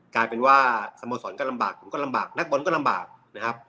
กลายเป็นว่าสโมสรก็ลำบากผมก็ลำบากนักบอลก็ลำบากนะครับ